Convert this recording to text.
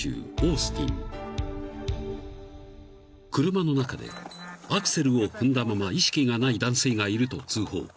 ［車の中でアクセルを踏んだまま意識がない男性がいると通報］